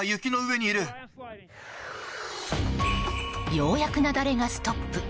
ようやく雪崩がストップ。